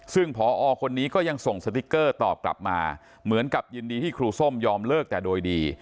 ซึ่งพอคนนี้ก็ยังส่งสติ๊กเกอร์ตอบกลับมาเหมือนกับยินดีที่ครูส้มยอมเลิกแต่โดยดี